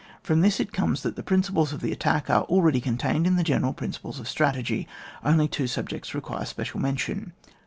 From this it comes that the principles of the attack are already contained in the general principles of strategy. Only two subjects require special mention.